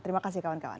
terima kasih kawan kawan